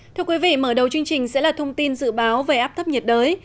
thưa quý vị mở đầu chương trình sẽ là thông tin dự báo về áp thấp nhiệt đới